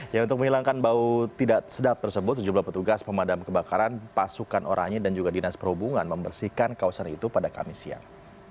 ya untuk menghilangkan bau tidak sedap tersebut sejumlah petugas pemadam kebakaran pasukan orangnya dan juga dinas perhubungan membersihkan kawasan itu pada kamis siang